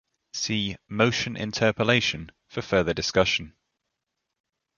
See motion interpolation for further discussion.